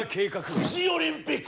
富士オリンピック！